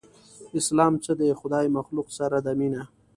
اسلام څه دی؟ خدای مخلوق سره ده مينه